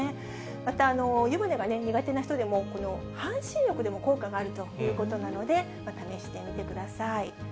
また湯船が苦手な人でも、半身欲でも効果があるということなので、試してみてください。